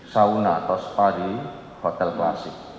sauna atau spa di hotel klasik